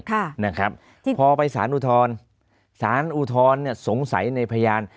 ค่ะนะครับพอไปศาลอุทรศาลอุทรเนี้ยสงสัยในพยาน